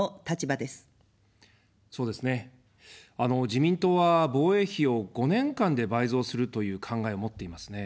自民党は防衛費を５年間で倍増するという考えを持っていますね。